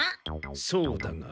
そうだが。